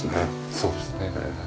そうですね。